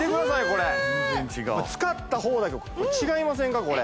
これ全然違う使った方だけ違いませんかこれ？